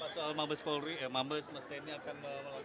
soal mambes mesteni akan melakukan gugatan